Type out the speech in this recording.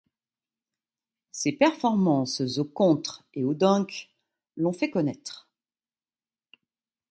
Ses performances aux contres et au dunk l'ont fait connaître.